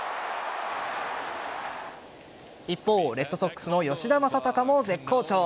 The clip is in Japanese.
一方、レッドソックスの吉田正尚も絶好調。